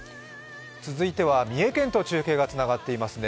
続いては三重県と中継がつながっていますね。